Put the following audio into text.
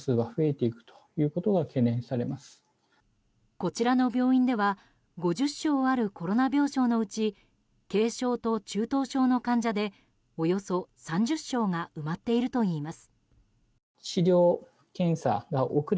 こちらの病院では５０床あるコロナ病床のうち軽症と中等症の患者でおよそ３０床が埋まっているといいます。